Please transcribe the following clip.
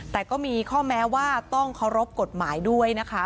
แต่ก็มีข้อแม้ว่าต้องเคารพกฎหมายด้วยนะคะ